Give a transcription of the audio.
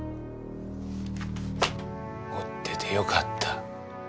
持ってて良かった。